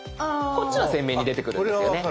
こっちは鮮明に出てくるんですよね。